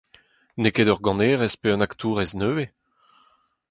N'eo ket ur ganerez pe un aktourez nevez !